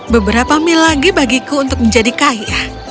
beberapa mil lagi bagiku untuk menjadi kaya